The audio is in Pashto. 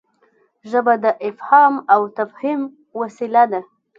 ژبه د افهام او تفهیم وسیله ده.